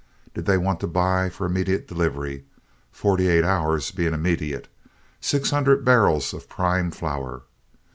Did they want to buy for immediate delivery (forty eight hours being immediate) six hundred barrels of prime flour?